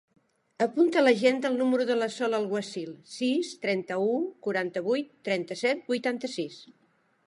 Apunta a l'agenda el número de la Sol Alguacil: sis, trenta-u, quaranta-vuit, trenta-set, vuitanta-sis.